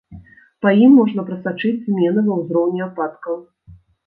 Па ім можна прасачыць змены ва ўзроўні ападкаў.